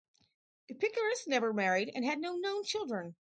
Epicurus never married and had no known children.